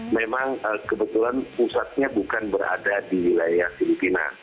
memang kebetulan pusatnya bukan berada di wilayah filipina